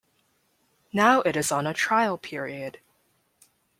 Now it is on a trial period.